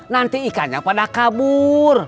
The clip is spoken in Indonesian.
nanti ikannya pada kabur